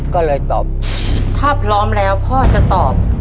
ก็เลยตอบถ้าพร้อมแล้วพ่อจะตอบ